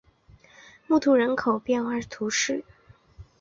穆图人口变化图示